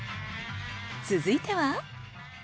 続いては。